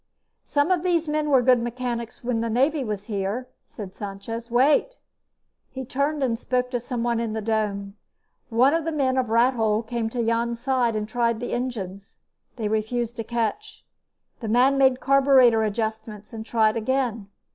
"Some of these men were good mechanics when the navy was here," said Sanchez. "Wait." He turned and spoke to someone in the dome. One of the men of Rathole came to Jan's side and tried the engines. They refused to catch. The man made carburetor adjustments and tried again.